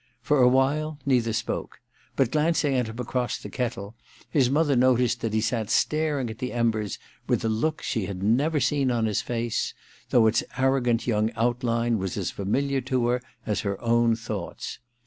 For a while neither spoke ; but glancing at him across the kettle, his mother noticed that he sat staring at the embers with a look she had never seen on his face, though its arrogant young outline was as familiar to her I THE QUICKSAND 285 as her own thoughts.